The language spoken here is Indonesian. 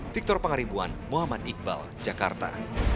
victor pangaribuan muhammad iqbal jakarta